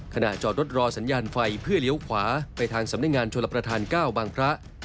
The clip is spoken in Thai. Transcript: จอดรถรอสัญญาณไฟเพื่อเลี้ยวขวาไปทางสำนักงานชลประธาน๙บางพระ